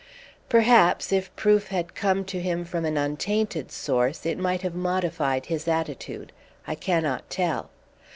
Perhaps, if proof had come to him from an untainted source, it might have modified his attitude. I cannot tell.